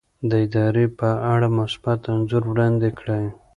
د ادارې په اړه مثبت انځور وړاندې کړئ.